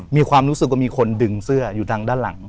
มีความรู้สึกว่ามีคนดึงเสื้ออยู่ทางด้านหลัง